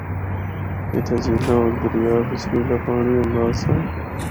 اِتھا جھیلاں ہور دریا بچ نیلا پانڑی ہوندا آسا۔